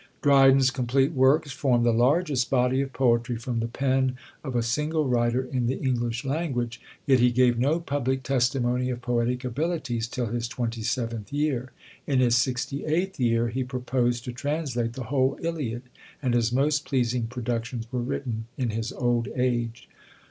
Dryden's complete works form the largest body of poetry from the pen of a single writer in the English language; yet he gave no public testimony of poetic abilities till his twenty seventh year. In his sixty eighth year he proposed to translate the whole Iliad: and his most pleasing productions were written in his old age.